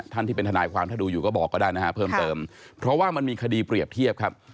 ท่านที่เป็นธนายความถ้าดูอยู่ก็บอกก็ได้นะฮะเพิ่มเติม